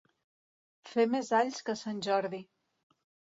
Fer més alls que sant Jordi.